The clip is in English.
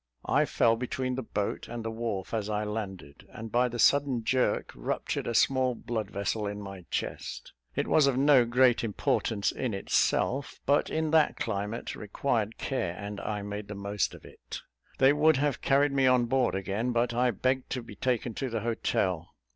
I fell between the boat and the wharf as I landed, and by the sudden jerk ruptured a small bloodvessel in my chest; it was of no great importance in itself, but in that climate required care, and I made the most of it. They would have carried me on board again, but I begged to be taken to the hotel.